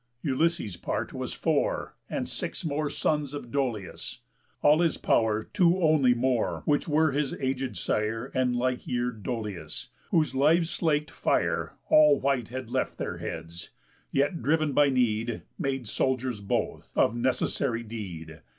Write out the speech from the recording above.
Ulysses' part was four, And six more sons of Dolius; all his pow'r Two only more, which were his aged sire And like year'd Dolius, whose lives' slak'd fire All white had left their heads, yet, driv'n by need, Made soldiers both of necessary deed.